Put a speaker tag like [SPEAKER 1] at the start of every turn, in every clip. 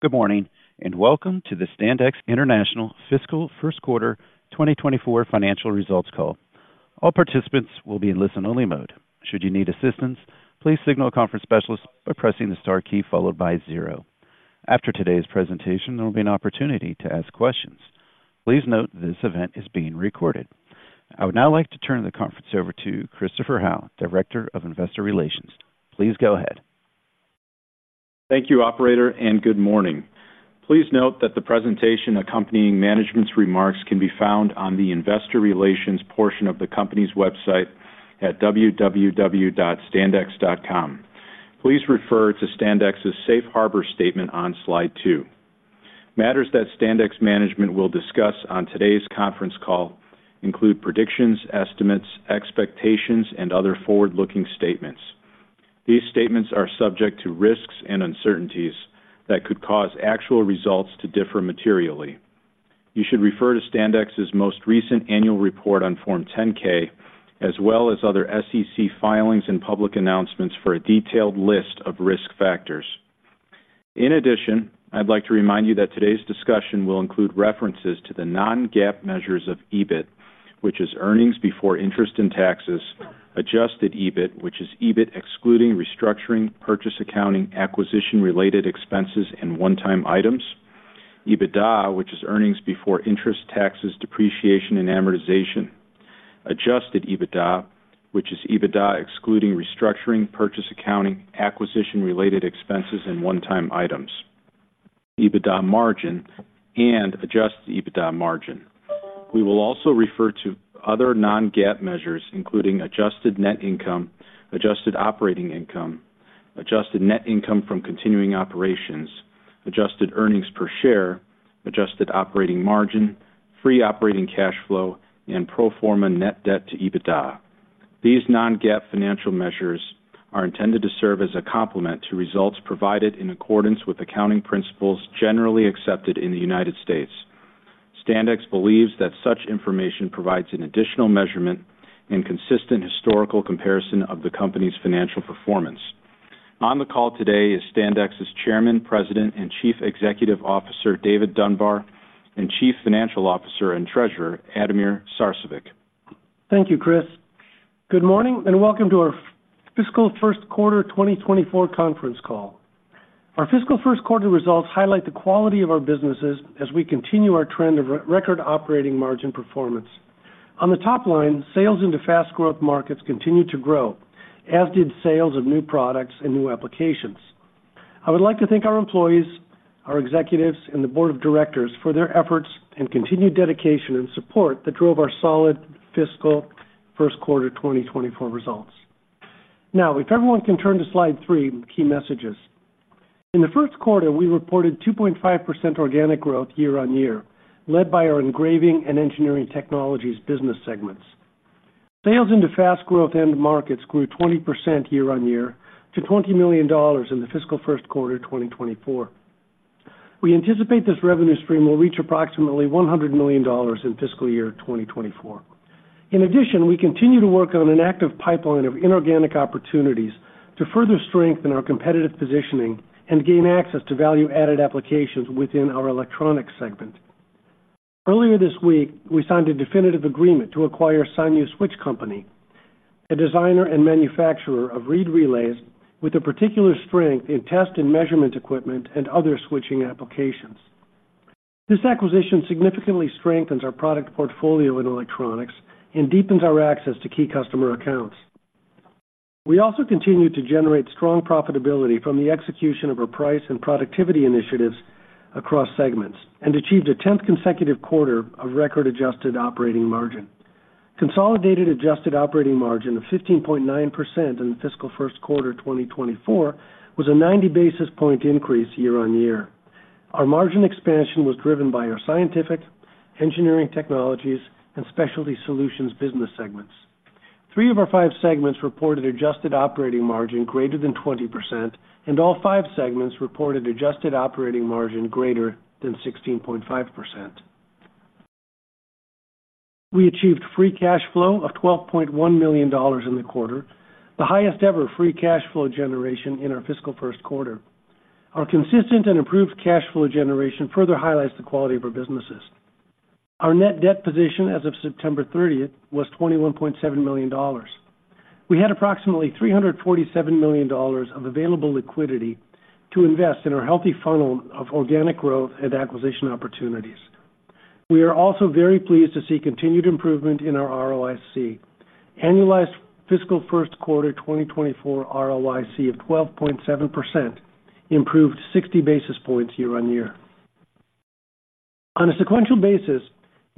[SPEAKER 1] Good morning, and welcome to the Standex International Fiscal First Quarter 2024 Financial Results Call. All participants will be in listen-only mode. Should you need assistance, please signal a conference specialist by pressing the star key followed by zero. After today's presentation, there will be an opportunity to ask questions. Please note this event is being recorded. I would now like to turn the conference over to Christopher Howe, Director of Investor Relations. Please go ahead.
[SPEAKER 2] Thank you, operator, and good morning. Please note that the presentation accompanying management's remarks can be found on the investor relations portion of the company's website at www.standex.com. Please refer to Standex's Safe Harbor statement on slide 2. Matters that Standex management will discuss on today's conference call include predictions, estimates, expectations, and other forward-looking statements. These statements are subject to risks and uncertainties that could cause actual results to differ materially. You should refer to Standex's most recent annual report on Form 10-K, as well as other SEC filings and public announcements for a detailed list of risk factors. In addition, I'd like to remind you that today's discussion will include references to the non-GAAP measures of EBIT, which is earnings before interest and taxes, adjusted EBIT, which is EBIT excluding restructuring, purchase, accounting, acquisition-related expenses, and one-time items, EBITDA, which is earnings before interest, taxes, depreciation, and amortization, adjusted EBITDA, which is EBITDA excluding restructuring, purchase, accounting, acquisition-related expenses, and one-time items, EBITDA margin, and adjusted EBITDA margin. We will also refer to other non-GAAP measures, including adjusted net income, adjusted operating income, adjusted net income from continuing operations, adjusted earnings per share, adjusted operating margin, free operating cash flow, and pro forma net debt to EBITDA. These non-GAAP financial measures are intended to serve as a complement to results provided in accordance with accounting principles generally accepted in the United States. Standex believes that such information provides an additional measurement and consistent historical comparison of the company's financial performance. On the call today is Standex's Chairman, President, and Chief Executive Officer, David Dunbar, and Chief Financial Officer and Treasurer, Ademir Sarcevic.
[SPEAKER 3] Thank you, Chris. Good morning, and welcome to our fiscal first quarter 2024 conference call. Our fiscal first quarter results highlight the quality of our businesses as we continue our trend of record operating margin performance. On the top line, sales into fast growth markets continued to grow, as did sales of new products and new applications. I would like to thank our employees, our executives, and the board of directors for their efforts and continued dedication and support that drove our solid fiscal first quarter 2024 results. Now, if everyone can turn to slide 3, key messages. In the first quarter, we reported 2.5% organic growth year-on-year, led by our Engraving and Engineering Technologies business segments. Sales into fast growth end markets grew 20% year-on-year to $20 million in the fiscal first quarter 2024. We anticipate this revenue stream will reach approximately $100 million in fiscal year 2024. In addition, we continue to work on an active pipeline of inorganic opportunities to further strengthen our competitive positioning and gain access to value-added applications within our Electronics segment. Earlier this week, we signed a definitive agreement to acquire Sanyu Switch Company, a designer and manufacturer of reed relays with a particular strength in test and measurement equipment and other switching applications. This acquisition significantly strengthens our product portfolio in Electronics and deepens our access to key customer accounts. We also continue to generate strong profitability from the execution of our price and productivity initiatives across segments, and achieved a 10th consecutive quarter of record adjusted operating margin. Consolidated adjusted operating margin of 15.9% in the fiscal first quarter 2024 was a 90 basis point increase year-on-year. Our margin expansion was driven by our Scientific, Engineering Technologies, and Specialty Solutions business segments. Three of our five segments reported adjusted operating margin greater than 20%, and all five segments reported adjusted operating margin greater than 16.5%. We achieved free cash flow of $12.1 million in the quarter, the highest ever free cash flow generation in our fiscal first quarter. Our consistent and improved cash flow generation further highlights the quality of our businesses. Our net debt position as of September 30 was $21.7 million. We had approximately $347 million of available liquidity to invest in our healthy funnel of organic growth and acquisition opportunities. We are also very pleased to see continued improvement in our ROIC. Annualized fiscal first quarter 2024 ROIC of 12.7%, improved 60 basis points year-on-year. On a sequential basis,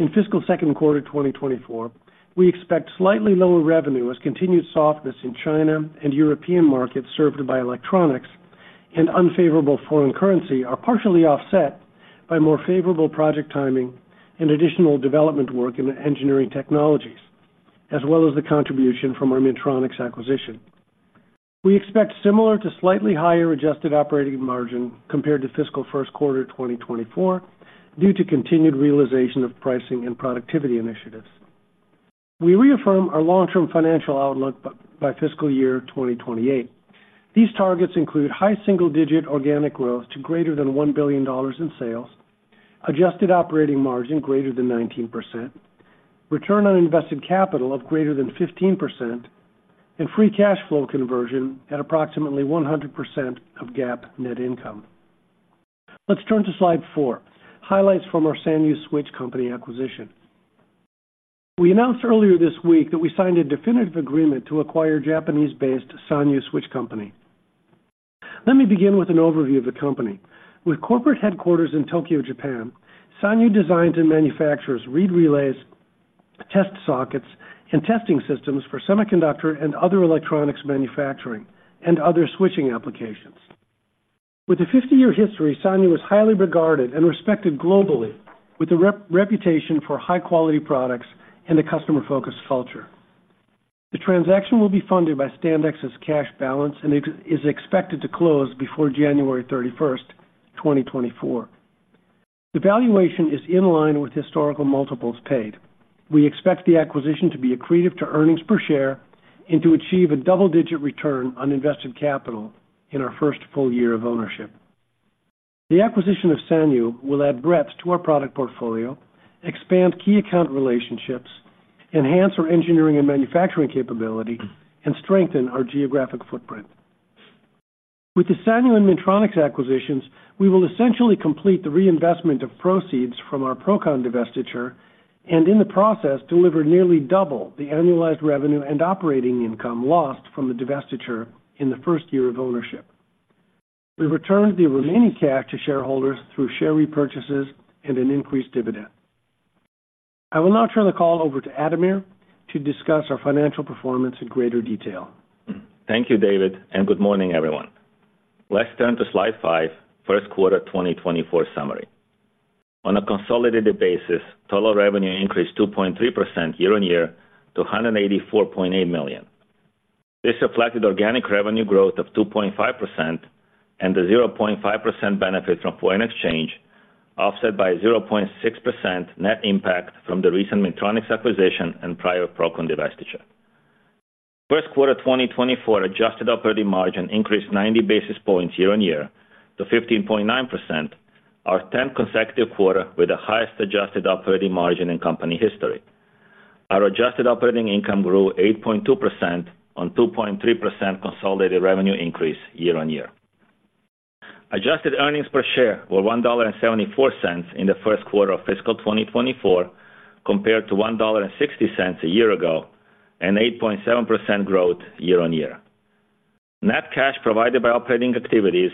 [SPEAKER 3] in fiscal second quarter 2024, we expect slightly lower revenue as continued softness in China and European markets served by Electronics and unfavorable foreign currency are partially offset by more favorable project timing and additional development work in the Engineering Technologies, as well as the contribution from our Minntronix acquisition. We expect similar to slightly higher adjusted operating margin compared to fiscal first quarter 2024, due to continued realization of pricing and productivity initiatives. We reaffirm our long-term financial outlook by fiscal year 2028. These targets include high single-digit organic growth to greater than $1 billion in sales, adjusted operating margin greater than 19%, return on invested capital of greater than 15%, and free cash flow conversion at approximately 100% of GAAP net income. Let's turn to slide 4: Highlights from our Sanyu Switch Company acquisition. We announced earlier this week that we signed a definitive agreement to acquire Japanese-based Sanyu Switch Company. Let me begin with an overview of the company. With corporate headquarters in Tokyo, Japan, Sanyu designs and manufactures reed relays, test sockets, and testing systems for semiconductor and other electronics manufacturing, and other switching applications. With a 50-year history, Sanyu is highly regarded and respected globally, with a reputation for high-quality products and a customer-focused culture. The transaction will be funded by Standex's cash balance, and it is expected to close before January 31, 2024. The valuation is in line with historical multiples paid. We expect the acquisition to be accretive to earnings per share and to achieve a double-digit return on invested capital in our first full year of ownership. The acquisition of Sanyu will add breadth to our product portfolio, expand key account relationships, enhance our engineering and manufacturing capability, and strengthen our geographic footprint. With the Sanyu and Minntronix acquisitions, we will essentially complete the reinvestment of proceeds from our Procon divestiture, and in the process, deliver nearly double the annualized revenue and operating income lost from the divestiture in the first year of ownership. We returned the remaining cash to shareholders through share repurchases and an increased dividend. I will now turn the call over to Ademir to discuss our financial performance in greater detail.
[SPEAKER 4] Thank you, David, and good morning, everyone. Let's turn to slide 5, first quarter 2024 summary. On a consolidated basis, total revenue increased 2.3% year-on-year to $184.8 million. This reflected organic revenue growth of 2.5% and a 0.5% benefit from foreign exchange, offset by a 0.6% net impact from the recent Minntronix acquisition and prior Procon divestiture. First quarter 2024 adjusted operating margin increased 90 basis points year-on-year to 15.9%, our 10th consecutive quarter with the highest adjusted operating margin in company history. Our adjusted operating income grew 8.2% on 2.3% consolidated revenue increase year-on-year. Adjusted earnings per share were $1.74 in the first quarter of fiscal 2024, compared to $1.60 a year ago, an 8.7% growth year-on-year. Net cash provided by operating activities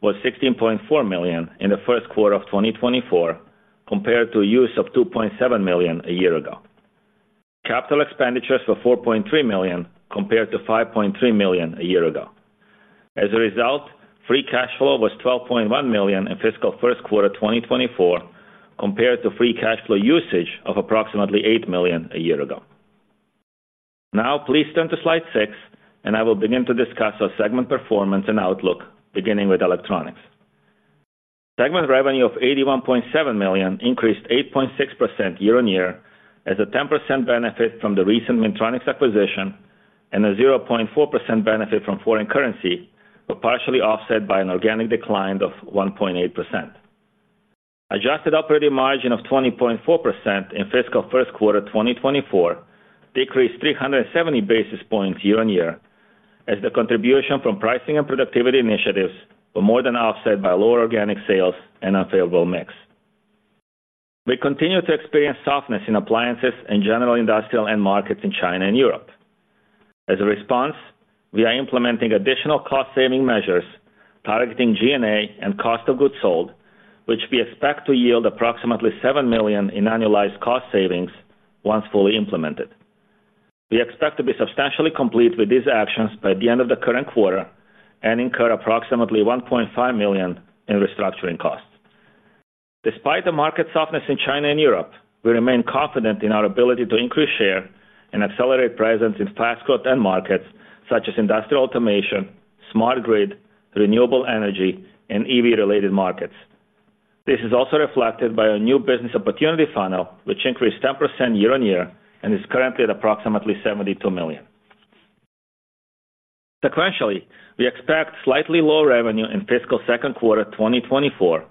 [SPEAKER 4] was $16.4 million in the first quarter of 2024, compared to use of $2.7 million a year ago. Capital expenditures were $4.3 million, compared to $5.3 million a year ago. As a result, free cash flow was $12.1 million in fiscal first quarter 2024, compared to free cash flow usage of approximately $8 million a year ago. Now, please turn to slide 6, and I will begin to discuss our segment performance and outlook, beginning with Electronics. Segment revenue of $81.7 million increased 8.6% year-on-year, as a 10% benefit from the recent Minntronix acquisition and a 0.4% benefit from foreign currency, but partially offset by an organic decline of 1.8%. Adjusted operating margin of 20.4% in fiscal first quarter 2024 decreased 370 basis points year-on-year, as the contribution from pricing and productivity initiatives were more than offset by lower organic sales and unfavorable mix. We continue to experience softness in appliances and general industrial end markets in China and Europe. As a response, we are implementing additional cost-saving measures targeting G&A and cost of goods sold, which we expect to yield approximately $7 million in annualized cost savings once fully implemented. We expect to be substantially complete with these actions by the end of the current quarter and incur approximately $1.5 million in restructuring costs. Despite the market softness in China and Europe, we remain confident in our ability to increase share and accelerate presence in fast-growth end markets such as industrial automation, smart grid, renewable energy, and EV-related markets. This is also reflected by our new business opportunity funnel, which increased 10% year-on-year and is currently at approximately $72 million. Sequentially, we expect slightly lower revenue in fiscal second quarter 2024,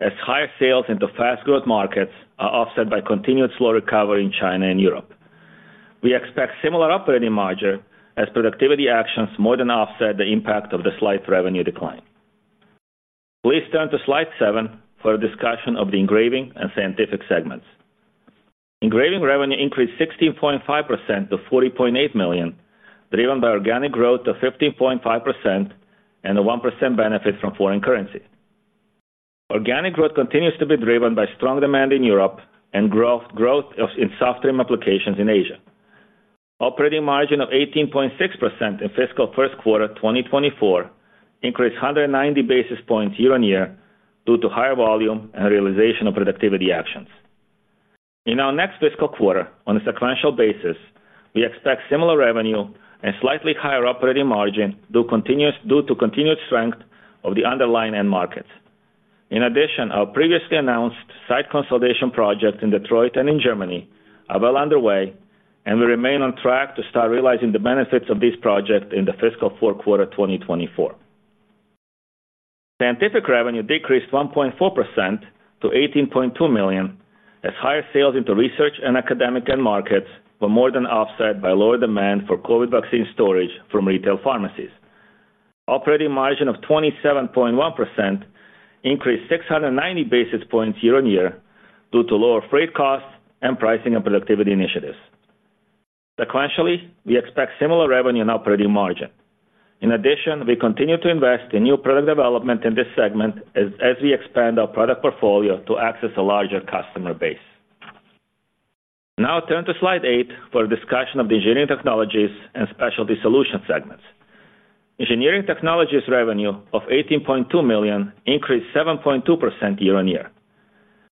[SPEAKER 4] as higher sales in the fast-growth markets are offset by continued slow recovery in China and Europe. We expect similar operating margin as productivity actions more than offset the impact of the slight revenue decline. Please turn to slide 7 for a discussion of the Engraving and Scientific segments. Engraving revenue increased 16.5% to $40.8 million, driven by organic growth of 15.5% and a 1% benefit from foreign currency. Organic growth continues to be driven by strong demand in Europe and growth in software applications in Asia. Operating margin of 18.6% in fiscal first quarter 2024 increased 190 basis points year-on-year due to higher volume and realization of productivity actions. In our next fiscal quarter, on a sequential basis, we expect similar revenue and slightly higher operating margin due to continued strength of the underlying end markets. In addition, our previously announced site consolidation project in Detroit and in Germany are well underway, and we remain on track to start realizing the benefits of this project in the fiscal fourth quarter 2024. Scientific revenue decreased 1.4% to $18.2 million, as higher sales into research and academic end markets were more than offset by lower demand for COVID vaccine storage from retail pharmacies. Operating margin of 27.1% increased 690 basis points year-on-year due to lower freight costs and pricing and productivity initiatives. Sequentially, we expect similar revenue and operating margin. In addition, we continue to invest in new product development in this segment as we expand our product portfolio to access a larger customer base. Now turn to slide 8 for a discussion of the Engineering Technologies and Specialty Solutions segments. Engineering Technologies revenue of $18.2 million increased 7.2% year-on-year.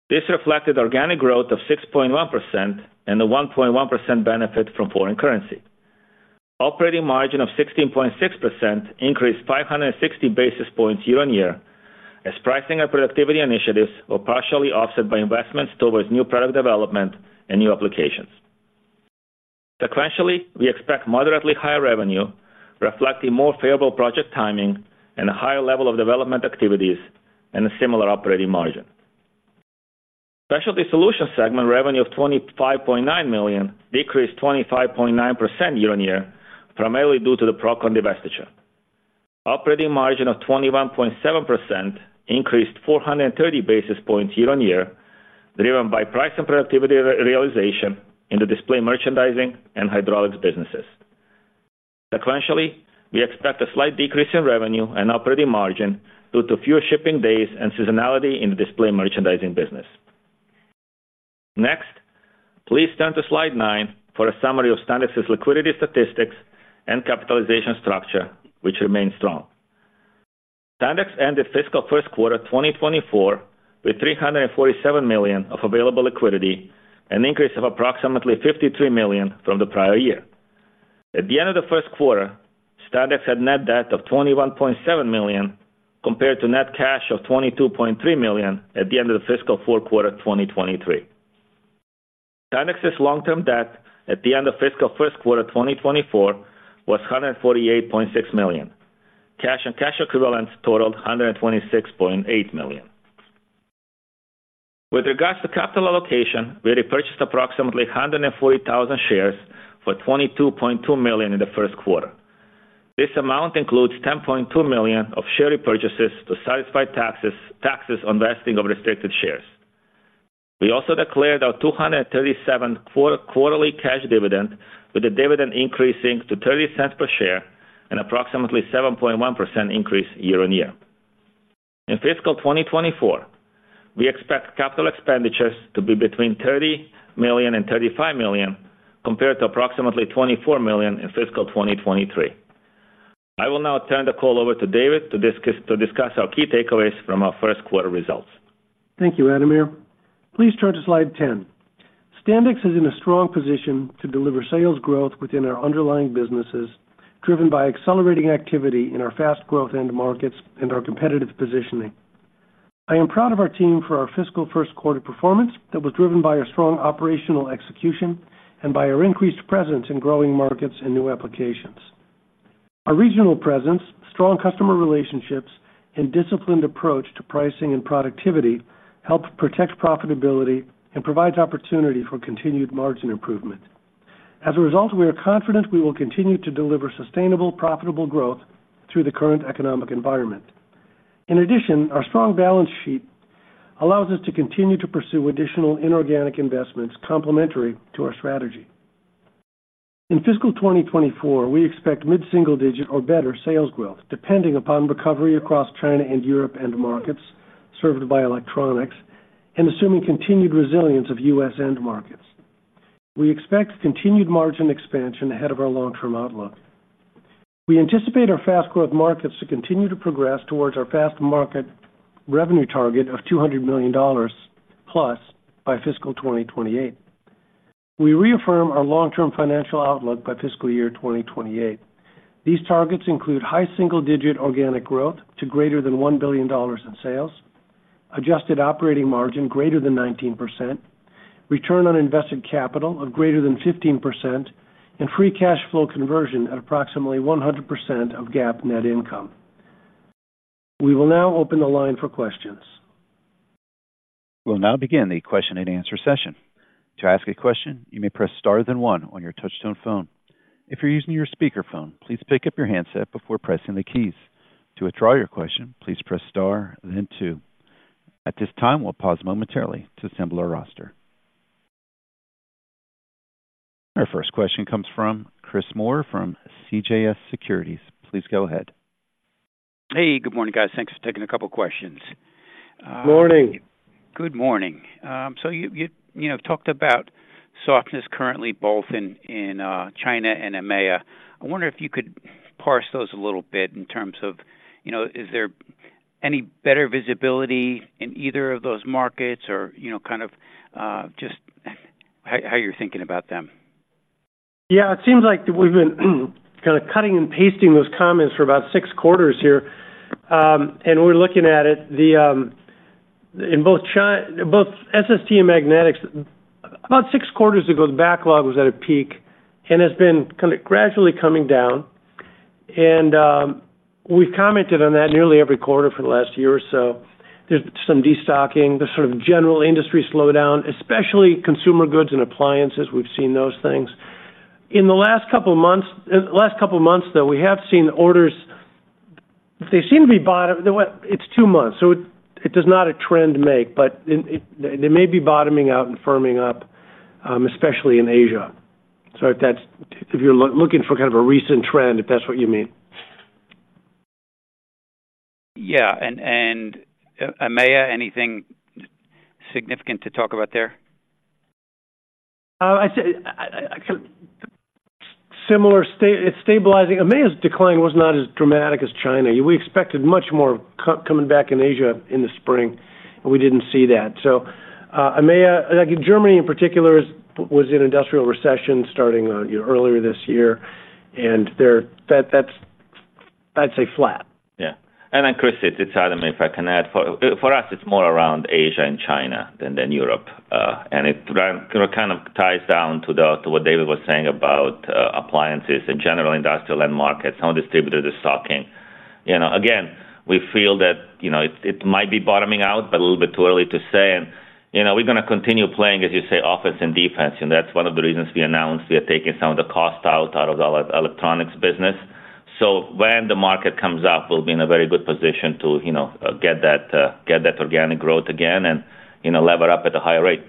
[SPEAKER 4] This reflected organic growth of 6.1% and a 1.1% benefit from foreign currency. Operating margin of 16.6% increased 560 basis points year-on-year, as pricing and productivity initiatives were partially offset by investments towards new product development and new applications. Sequentially, we expect moderately higher revenue, reflecting more favorable project timing and a higher level of development activities and a similar operating margin. Specialty Solutions segment revenue of $25.9 million decreased 25.9% year-on-year, primarily due to the Procon divestiture. Operating margin of 21.7% increased 430 basis points year-on-year, driven by price and productivity realization in the display merchandising and hydraulics businesses. Sequentially, we expect a slight decrease in revenue and operating margin due to fewer shipping days and seasonality in the display merchandising business. Next, please turn to slide 9 for a summary of Standex's liquidity statistics and capitalization structure, which remains strong. Standex ended fiscal first quarter 2024 with $347 million of available liquidity, an increase of approximately $53 million from the prior year. At the end of the first quarter, Standex had net debt of $21.7 million, compared to net cash of $22.3 million at the end of the fiscal fourth quarter 2023. Standex's long-term debt at the end of fiscal first quarter 2024 was $148.6 million. Cash and cash equivalents totaled $126.8 million. With regards to capital allocation, we repurchased approximately 140,000 shares for $22.2 million in the first quarter. This amount includes $10.2 million of share repurchases to satisfy taxes, taxes on vesting of restricted shares. We also declared our 237th quarterly cash dividend, with the dividend increasing to $0.30 per share, an approximately 7.1% increase year-on-year. In fiscal 2024, we expect capital expenditures to be between $30 million and $35 million, compared to approximately $24 million in fiscal 2023. I will now turn the call over to David to discuss our key takeaways from our first quarter results.
[SPEAKER 3] Thank you, Ademir. Please turn to slide 10. Standex is in a strong position to deliver sales growth within our underlying businesses, driven by accelerating activity in our fast-growth end markets and our competitive positioning. I am proud of our team for our fiscal first quarter performance that was driven by our strong operational execution and by our increased presence in growing markets and new applications. Our regional presence, strong customer relationships, and disciplined approach to pricing and productivity help protect profitability and provides opportunity for continued margin improvement. As a result, we are confident we will continue to deliver sustainable, profitable growth through the current economic environment. In addition, our strong balance sheet allows us to continue to pursue additional inorganic investments complementary to our strategy. In fiscal 2024, we expect mid-single-digit or better sales growth, depending upon recovery across China and Europe end markets served by Electronics, and assuming continued resilience of U.S. end markets. We expect continued margin expansion ahead of our long-term outlook. We anticipate our fast growth markets to continue to progress towards our fast market revenue target of $200 million+ by fiscal 2028. We reaffirm our long-term financial outlook by fiscal year 2028. These targets include high single-digit organic growth to greater than $1 billion in sales, adjusted operating margin greater than 19%, return on invested capital of greater than 15%, and free cash flow conversion at approximately 100% of GAAP net income. We will now open the line for questions.
[SPEAKER 1] We'll now begin the question-and-answer session. To ask a question, you may press star, then one on your touchtone phone. If you're using your speakerphone, please pick up your handset before pressing the keys. To withdraw your question, please press star, then two. At this time, we'll pause momentarily to assemble our roster. Our first question comes from Chris Moore from CJS Securities. Please go ahead.
[SPEAKER 5] Hey, good morning, guys. Thanks for taking a couple questions.
[SPEAKER 3] Morning!
[SPEAKER 5] Good morning. So you know, talked about softness currently, both in China and EMEA. I wonder if you could parse those a little bit in terms of, you know, is there any better visibility in either of those markets or, you know, kind of just how you're thinking about them?...
[SPEAKER 3] Yeah, it seems like we've been kind of cutting and pasting those comments for about six quarters here. And we're looking at it, the, in both SST and Magnetics, about six quarters ago, the backlog was at a peak and has been kind of gradually coming down, and we've commented on that nearly every quarter for the last year or so. There's some destocking, the sort of general industry slowdown, especially consumer goods and appliances. We've seen those things. In the last couple of months, though, we have seen orders. They seem to be bottoming. Well, it's two months, so it does not a trend make, but they may be bottoming out and firming up, especially in Asia. So if that's. If you're looking for kind of a recent trend, if that's what you mean.
[SPEAKER 5] Yeah, and EMEA, anything significant to talk about there?
[SPEAKER 3] I'd say it's kind of in a similar state. It's stabilizing. EMEA's decline was not as dramatic as China. We expected much more coming back in Asia in the spring, and we didn't see that. So, EMEA, like in Germany in particular, was in industrial recession starting earlier this year, and that's, I'd say, flat.
[SPEAKER 4] Yeah. And then, Chris, it's Adam, if I can add. For us, it's more around Asia and China than Europe. And it kind of ties down to what David was saying about appliances and general industrial end markets. Some distributors are stocking. You know, again, we feel that, you know, it might be bottoming out, but a little bit too early to say. And, you know, we're going to continue playing, as you say, offense and defense, and that's one of the reasons we announced we are taking some of the cost out of our electronics business. So when the market comes up, we'll be in a very good position to, you know, get that organic growth again and, you know, lever up at a higher rate.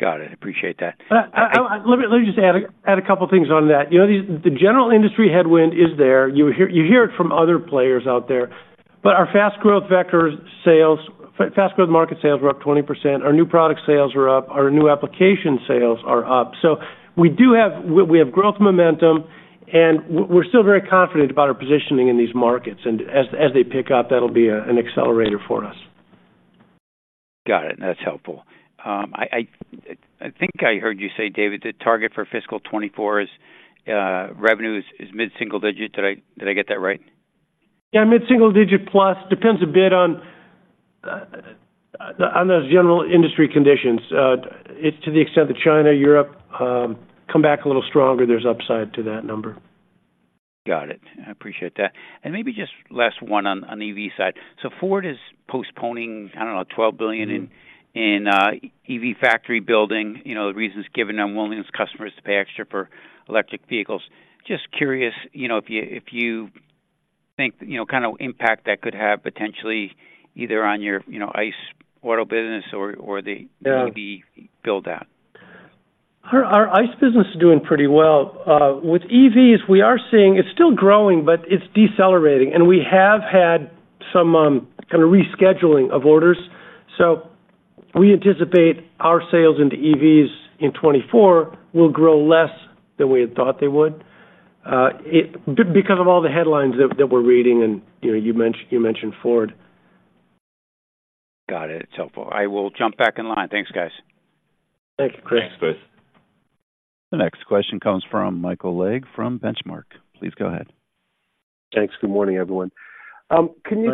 [SPEAKER 5] Got it. Appreciate that.
[SPEAKER 3] Let me just add a couple of things on that. You know, the general industry headwind is there. You hear it from other players out there. But our fast growth vectors sales—fast growth market sales were up 20%. Our new product sales are up, our new application sales are up. So we do have—We have growth momentum, and we're still very confident about our positioning in these markets. And as they pick up, that'll be an accelerator for us.
[SPEAKER 5] Got it. That's helpful. I think I heard you say, David, the target for fiscal 2024 is revenue is mid-single digit. Did I get that right?
[SPEAKER 3] Yeah, mid-single digit plus. Depends a bit on, on those general industry conditions. It's to the extent that China, Europe, come back a little stronger, there's upside to that number.
[SPEAKER 5] Got it. I appreciate that. And maybe just last one on the EV side. So Ford is postponing, I don't know, $12 billion in EV factory building. You know, the reasons given, unwillingness customers to pay extra for electric vehicles. Just curious, you know, if you think, you know, kind of impact that could have potentially either on your, you know, ICE auto business or the-
[SPEAKER 3] Yeah...
[SPEAKER 5] EV build out.
[SPEAKER 3] Our ICE business is doing pretty well. With EVs, we are seeing it's still growing, but it's decelerating, and we have had some kind of rescheduling of orders. So we anticipate our sales into EVs in 2024 will grow less than we had thought they would, because of all the headlines that we're reading and, you know, you mentioned Ford.
[SPEAKER 5] Got it. It's helpful. I will jump back in line. Thanks, guys.
[SPEAKER 3] Thank you, Chris.
[SPEAKER 4] Thanks, Chris.
[SPEAKER 1] The next question comes from Michael Legg, from Benchmark. Please go ahead.
[SPEAKER 6] Thanks. Good morning, everyone.
[SPEAKER 4] Hi-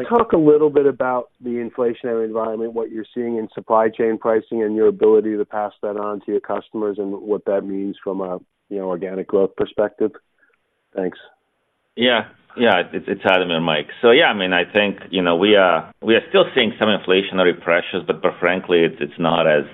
[SPEAKER 6] Talk a little bit about the inflationary environment, what you're seeing in supply chain pricing and your ability to pass that on to your customers, and what that means from a, you know, organic growth perspective? Thanks.
[SPEAKER 4] Yeah. Yeah, it's Adam and Mike. So yeah, I mean, I think, you know, we are still seeing some inflationary pressures, but frankly, it's not as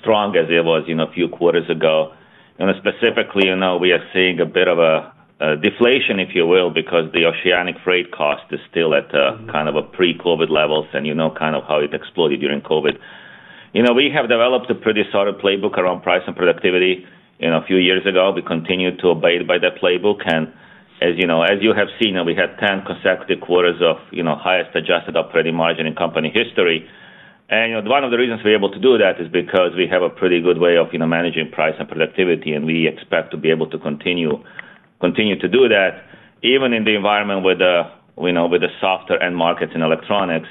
[SPEAKER 4] strong as it was, you know, a few quarters ago. And specifically, you know, we are seeing a bit of a deflation, if you will, because the oceanic freight cost is still at kind of a pre-COVID levels, and you know, kind of how it exploded during COVID. You know, we have developed a pretty solid playbook around price and productivity, you know, a few years ago. We continued to abide by that playbook, and as you know, as you have seen, we had 10 consecutive quarters of, you know, highest adjusted operating margin in company history. You know, one of the reasons we're able to do that is because we have a pretty good way of, you know, managing price and productivity, and we expect to be able to continue, continue to do that. Even in the environment with the, we know, with the softer end markets in electronics,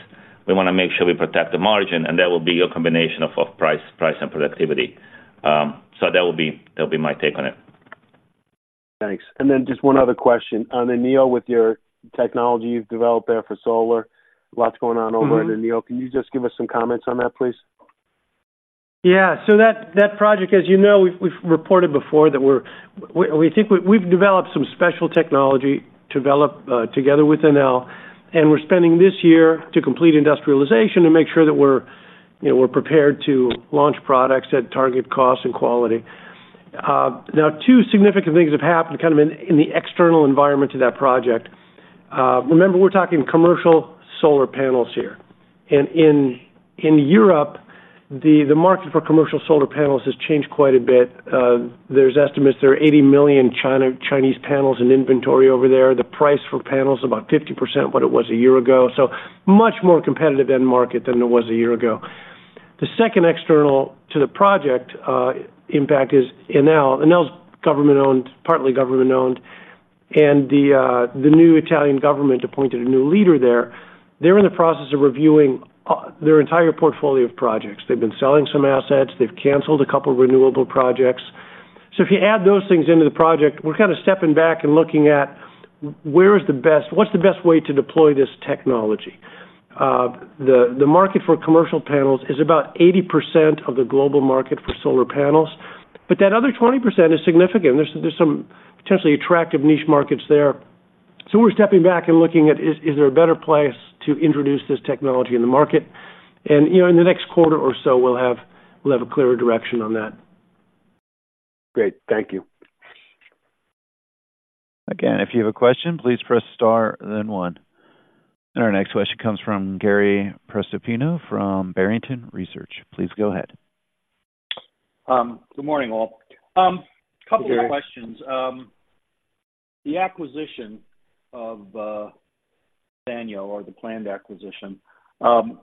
[SPEAKER 4] we wanna make sure we protect the margin, and that will be a combination of, of price, price and productivity. So that will be, that'll be my take on it.
[SPEAKER 6] Thanks. Then just one other question. On Enel, with your technology you've developed there for solar, lots going on over-
[SPEAKER 4] Mm-hmm...
[SPEAKER 6] at Enel. Can you just give us some comments on that, please?
[SPEAKER 3] Yeah. So that project, as you know, we've reported before that we're—we think we've developed some special technology developed together with Enel, and we're spending this year to complete industrialization and make sure that we're, you know, prepared to launch products at target cost and quality. Now, two significant things have happened, kind of in the external environment to that project. Remember, we're talking commercial solar panels here. And in Europe, the market for commercial solar panels has changed quite a bit. There's estimates there are 80 million Chinese panels in inventory over there. The price for panels is about 50% what it was a year ago, so much more competitive end market than it was a year ago. The second external to the project impact is Enel. Enel's government-owned, partly government-owned.... And the, the new Italian government appointed a new leader there. They're in the process of reviewing, their entire portfolio of projects. They've been selling some assets. They've canceled a couple of renewable projects. So if you add those things into the project, we're kind of stepping back and looking at where is the best—what's the best way to deploy this technology? The, the market for commercial panels is about 80% of the global market for solar panels, but that other 20% is significant. There's, there's some potentially attractive niche markets there. So we're stepping back and looking at, is, is there a better place to introduce this technology in the market? And, you know, in the next quarter or so, we'll have, we'll have a clearer direction on that.
[SPEAKER 7] Great. Thank you.
[SPEAKER 1] Again, if you have a question, please press Star, then one. And our next question comes from Gary Prestopino from Barrington Research. Please go ahead.
[SPEAKER 7] Good morning, all. Couple of questions. The acquisition of Sanyu, or the planned acquisition,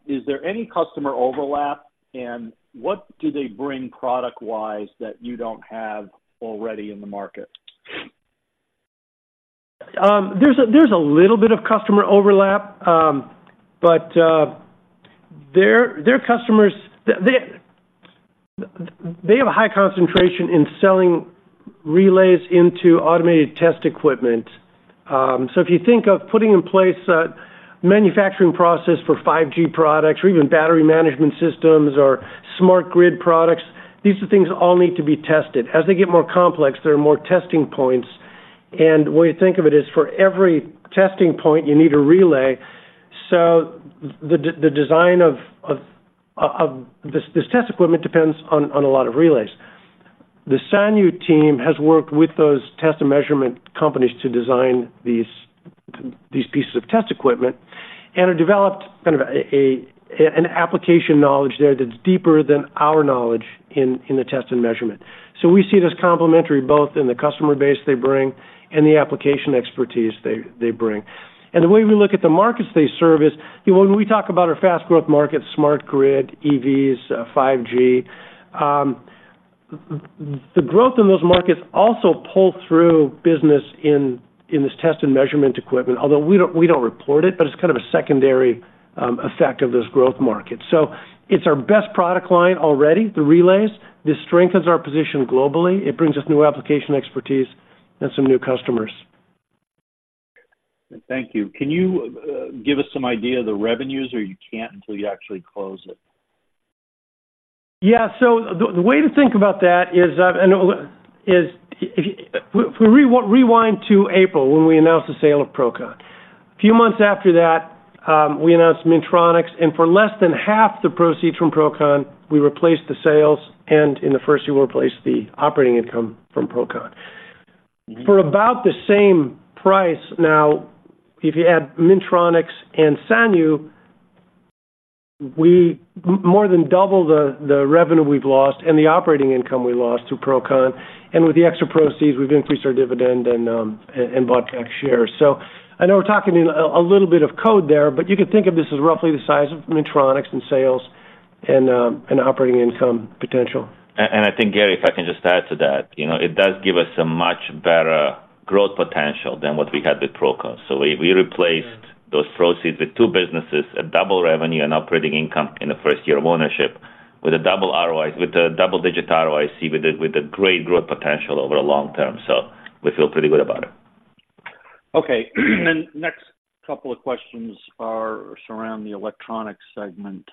[SPEAKER 7] is there any customer overlap, and what do they bring product-wise that you don't have already in the market?
[SPEAKER 3] There's a little bit of customer overlap, but their customers, they have a high concentration in selling relays into automated test equipment. So if you think of putting in place a manufacturing process for 5G products or even battery management systems or smart grid products, these are things that all need to be tested. As they get more complex, there are more testing points, and the way you think of it is, for every testing point, you need a relay. So the design of this test equipment depends on a lot of relays. The Sanyu team has worked with those test and measurement companies to design these pieces of test equipment and have developed kind of an application knowledge there that's deeper than our knowledge in the test and measurement. So we see it as complementary, both in the customer base they bring and the application expertise they, they bring. And the way we look at the markets they serve is, you know, when we talk about our fast growth markets, Smart Grid, EVs, 5G, the growth in those markets also pull through business in, in this Test and Measurement equipment, although we don't, we don't report it, but it's kind of a secondary, effect of those growth markets. So it's our best product line already, the relays. This strengthens our position globally. It brings us new application expertise and some new customers.
[SPEAKER 7] Thank you. Can you give us some idea of the revenues, or you can't until you actually close it?
[SPEAKER 3] Yeah, so the way to think about that is, if we rewind to April, when we announced the sale of Procon. A few months after that, we announced Minntronix, and for less than half the proceeds from Procon, we replaced the sales, and in the first year, replaced the operating income from Procon. For about the same price now, if you add Minntronix and Sanyu, we more than double the revenue we've lost and the operating income we lost through Procon, and with the extra proceeds, we've increased our dividend and bought back shares. So I know we're talking in a little bit of code there, but you can think of this as roughly the size of Minntronix in sales and operating income potential.
[SPEAKER 4] I think, Gary, if I can just add to that, you know, it does give us a much better growth potential than what we had with Procon. We replaced those proceeds with two businesses at double revenue and operating income in the first year of ownership, with a double ROI, with a double-digit ROIC, with a great growth potential over the long term. We feel pretty good about it.
[SPEAKER 7] Okay. Then next couple of questions are around the electronic segment.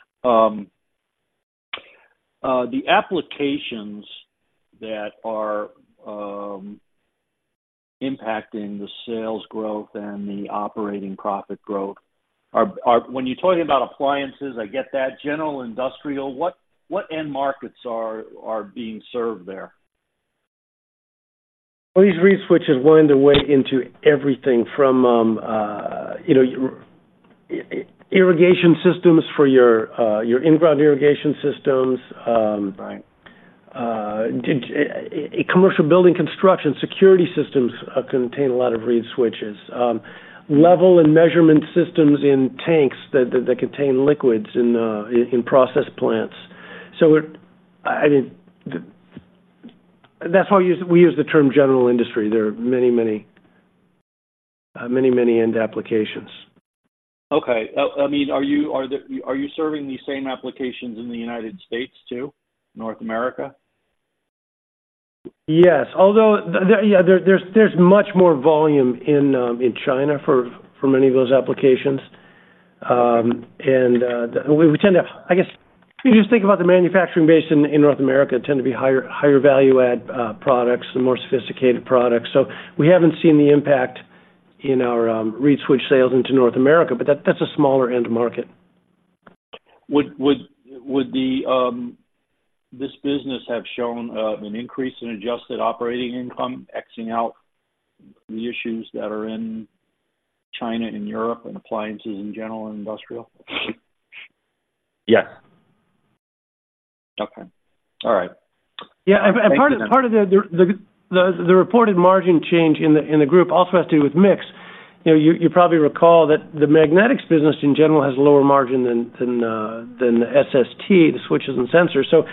[SPEAKER 7] The applications that are impacting the sales growth and the operating profit growth are, when you're talking about appliances, I get that. General industrial, what end markets are being served there?
[SPEAKER 3] Well, these Reed switches wind their way into everything from, you know, irrigation systems for your in-ground irrigation systems,
[SPEAKER 7] Right.
[SPEAKER 3] Commercial building construction, security systems, contain a lot of Reed Switches, level and measurement systems in tanks that contain liquids in process plants. So it... I mean, that's why we use the term general industry. There are many, many, many, many end applications.
[SPEAKER 7] Okay. I mean, are you serving these same applications in the United States, too? North America?
[SPEAKER 3] Yes. Although, yeah, there's much more volume in China for many of those applications. And we tend to... I guess, if you just think about the manufacturing base in North America, tend to be higher value add products and more sophisticated products. So we haven't seen the impact in our Reed switch sales into North America, but that's a smaller end market.
[SPEAKER 7] Would this business have shown an increase in adjusted operating income, excluding the issues that are in China and Europe and appliances in general and industrial?
[SPEAKER 4] Yes.
[SPEAKER 7] Okay. All right.
[SPEAKER 3] Yeah, and part of the reported margin change in the group also has to do with mix.... You know, you probably recall that the Magnetics business in general has lower margin than SST, the switches and sensors. So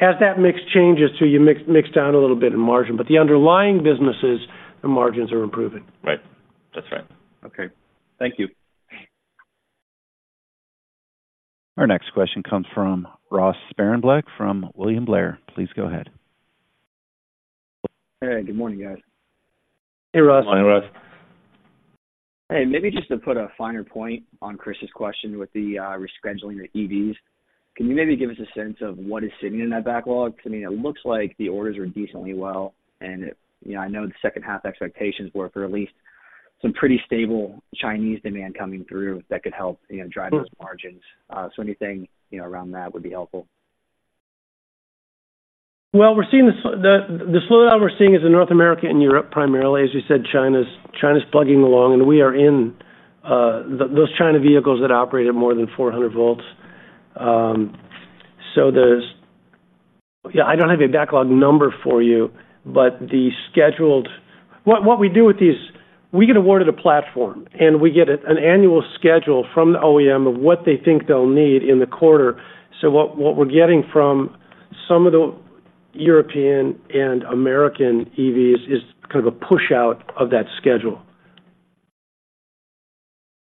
[SPEAKER 3] as that mix changes, so you mix down a little bit in margin, but the underlying businesses, the margins are improving.
[SPEAKER 4] Right. That's right.
[SPEAKER 7] Okay.
[SPEAKER 6] Thank you.
[SPEAKER 1] Our next question comes from Ross Sparenblek, from William Blair. Please go ahead.
[SPEAKER 8] Hey, good morning, guys.
[SPEAKER 3] Hey, Ross.
[SPEAKER 4] Good morning, Ross.
[SPEAKER 8] Hey, maybe just to put a finer point on Chris's question with the rescheduling the EVs, can you maybe give us a sense of what is sitting in that backlog? I mean, it looks like the orders are decently well, and, you know, I know the second half expectations were for at least some pretty stable Chinese demand coming through that could help, you know, drive those margins. So anything, you know, around that would be helpful.
[SPEAKER 3] Well, we're seeing the slowdown we're seeing is in North America and Europe, primarily. As you said, China's, China's plugging along, and we are in those China vehicles that operate at more than 400 volts. So there's... Yeah, I don't have a backlog number for you, but the scheduled— What we do with these, we get awarded a platform, and we get an annual schedule from the OEM of what they think they'll need in the quarter. So what we're getting from some of the European and American EVs is kind of a push-out of that schedule.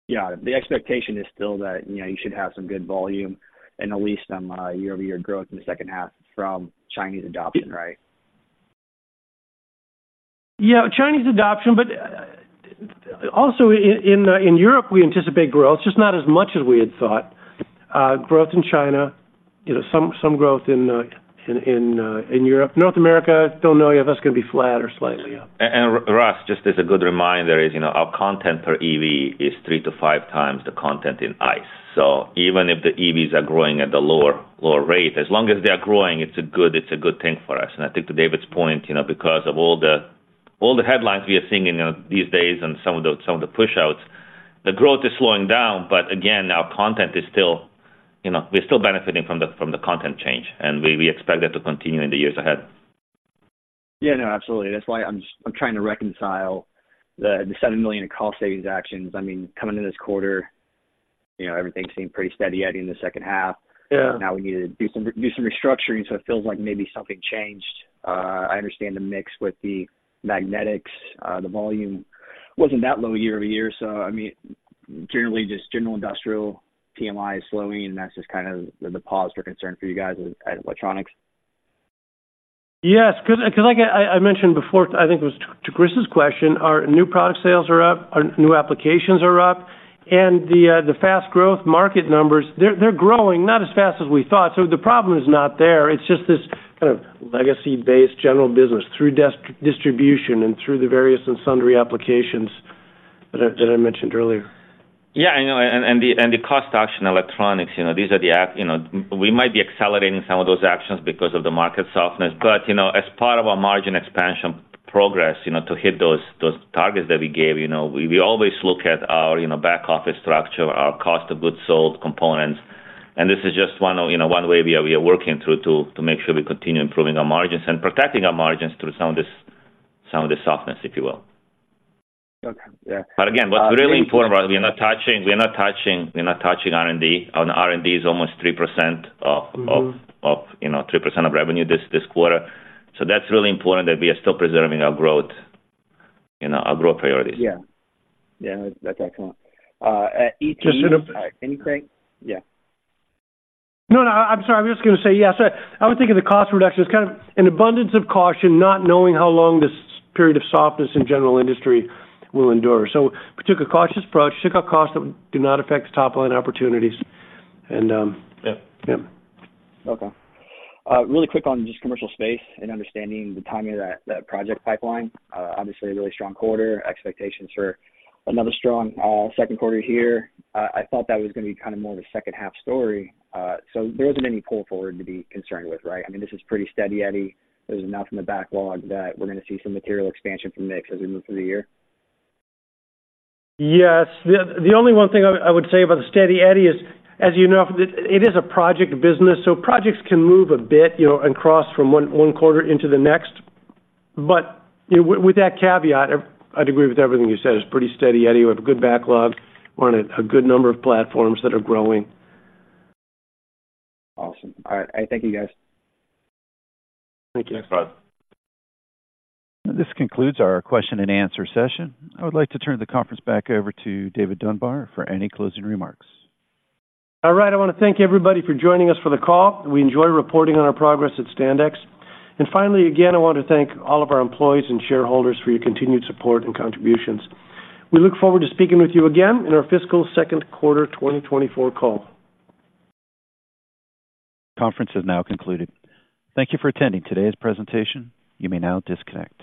[SPEAKER 8] Yeah. The expectation is still that, you know, you should have some good volume and at least some year-over-year growth in the second half from Chinese adoption, right?
[SPEAKER 3] Yeah, Chinese adoption, but also in Europe, we anticipate growth, just not as much as we had thought. Growth in China, you know, some growth in Europe. North America, don't know yet if that's going to be flat or slightly up.
[SPEAKER 4] and, Ross, just as a good reminder is, you know, our content per EV is 3-5 times the content in ICE. So even if the EVs are growing at a lower, lower rate, as long as they are growing, it's a good, it's a good thing for us. And I think to David's point, you know, because of all the, all the headlines we are seeing in, these days and some of the, some of the push-outs, the growth is slowing down, but again, our content is still, you know, we're still benefiting from the, from the content change, and we, we expect that to continue in the years ahead.
[SPEAKER 8] Yeah, no, absolutely. That's why I'm just. I'm trying to reconcile the $7 million in cost savings actions. I mean, coming into this quarter, you know, everything seemed pretty steady eddy in the second half.
[SPEAKER 3] Yeah.
[SPEAKER 8] Now we need to do some restructuring, so it feels like maybe something changed. I understand the mix with the magnetics. The volume wasn't that low year-over-year, so I mean, generally, just general industrial PMI is slowing, and that's just kind of the pause for concern for you guys at electronics.
[SPEAKER 3] Yes, 'cause like I mentioned before, I think it was to Chris's question, our new product sales are up, our new applications are up, and the fast growth market numbers, they're growing, not as fast as we thought. So the problem is not there. It's just this kind of legacy-based general business through distribution and through the various and sundry applications that I mentioned earlier.
[SPEAKER 4] Yeah, I know, and the cost action electronics, you know, these are the actions. You know, we might be accelerating some of those actions because of the market softness, but, you know, as part of our margin expansion progress, you know, to hit those targets that we gave, you know, we always look at our back office structure, our cost of goods sold components. And this is just one of, you know, one way we are working through to make sure we continue improving our margins and protecting our margins through some of the softness, if you will.
[SPEAKER 8] Okay. Yeah.
[SPEAKER 4] But again, what's really important, Ross, we're not touching, we're not touching, we're not touching R&D. Our R&D is almost 3% of-
[SPEAKER 8] Mm-hmm.
[SPEAKER 4] of you know, 3% of revenue this quarter. So that's really important that we are still preserving our growth, you know, our growth priorities.
[SPEAKER 8] Yeah. Yeah, that's excellent. At ET-
[SPEAKER 3] Just to-
[SPEAKER 8] Anything? Yeah.
[SPEAKER 3] No, no, I'm sorry. I was just going to say, yeah, so I would think of the cost reduction as kind of an abundance of caution, not knowing how long this period of softness in general industry will endure. So we took a cautious approach, took out costs that do not affect the top-line opportunities, and,
[SPEAKER 4] Yeah.
[SPEAKER 3] Yeah.
[SPEAKER 8] Okay. Really quick on just commercial space and understanding the timing of that project pipeline. Obviously, a really strong quarter, expectations for another strong second quarter here. I thought that was going to be kind of more of a second-half story. So there isn't any pull forward to be concerned with, right? I mean, this is pretty steady eddy. There's enough in the backlog that we're going to see some material expansion from mix as we move through the year?
[SPEAKER 3] Yes. The only one thing I would say about the steady eddy is, as you know, it is a project business, so projects can move a bit, you know, and cross from one quarter into the next. But, you know, with that caveat, I'd agree with everything you said. It's pretty steady eddy. We have a good backlog on a good number of platforms that are growing.
[SPEAKER 8] Awesome. All right. Thank you, guys.
[SPEAKER 3] Thank you.
[SPEAKER 4] Thanks, Ross.
[SPEAKER 1] This concludes our question and answer session. I would like to turn the conference back over to David Dunbar for any closing remarks.
[SPEAKER 3] All right. I want to thank everybody for joining us for the call. We enjoy reporting on our progress at Standex. And finally, again, I want to thank all of our employees and shareholders for your continued support and contributions. We look forward to speaking with you again in our fiscal second quarter 2024 call.
[SPEAKER 1] Conference is now concluded. Thank you for attending today's presentation. You may now disconnect.